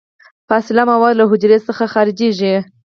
فاضله مواد له حجرې څخه خارجیږي.